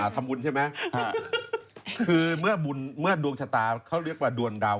คือเมื่อดวงชะตาเขาเรียกกว่า